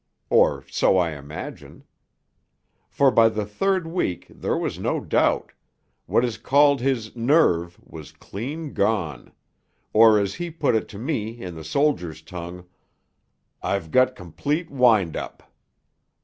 Or so I imagine. For by the third week there was no doubt; what is called his 'nerve' was clean gone; or, as he put it to me in the soldier's tongue, 'I've got complete wind up.'